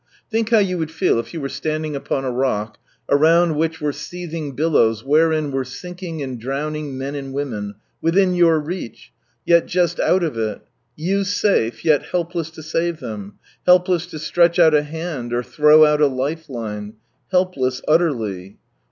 Think how you would feel if you were standing upon a rock, around which were seething billows wherein were sinking and drowning men and women, within your reach, yet Just out of it you safe, yet helpless to save them, helpless to stretch out a hand or throw out a life line ; helpless utterly.